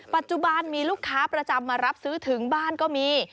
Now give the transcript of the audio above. ปัจจุบันมีลูกค้าประจำมารับซื้อถึงบ้านก็มี